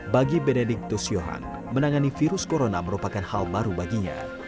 bagi benediktus yohan menangani virus corona merupakan hal baru baginya